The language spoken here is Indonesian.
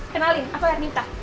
kenalin aku ernita